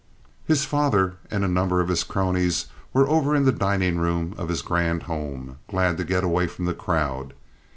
His father and a number of his cronies were over in the dining room of his grand home, glad to get away from the crowd.